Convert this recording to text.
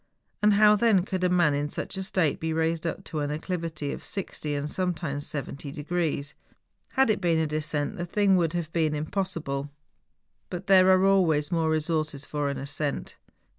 And how then could a man in such a state be raised up an acclivity of 60 and sometimes 70 degrees. Had it been a descent the thing would have been impossible; but there are always more resources for an ascent.